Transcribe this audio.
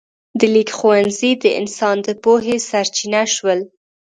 د لیک ښوونځي د انسان د پوهې سرچینه شول.